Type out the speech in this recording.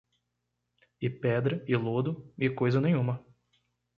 e pedra e lodo, e coisa nenhuma